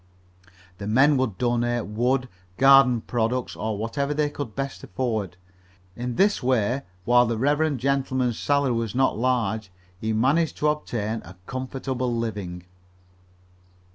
The men would donate wood, garden products, or whatever they could best afford. In this way, while the reverend gentleman's salary was not large, he managed to obtain a comfortable living.